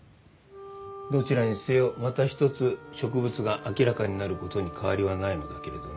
どちらにせよまた一つ植物が明らかになることに変わりはないのだけれどね。